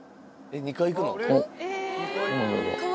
２階行くの？